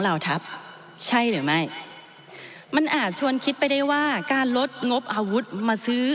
เหล่าทัพใช่หรือไม่มันอาจชวนคิดไปได้ว่าการลดงบอาวุธมาซื้อ